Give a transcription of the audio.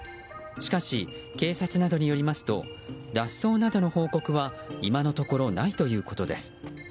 しかし警察などによりますと脱走などの報告は今のところないということです。